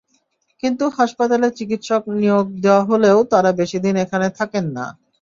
কিন্তু হাসপাতালে চিকিৎসক নিয়োগ দেওয়া হলেও তাঁরা বেশি দিন এখানে থাকেন না।